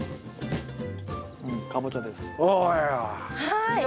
はい。